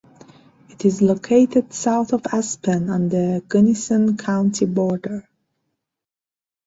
It is located south of Aspen on the Gunnison County border.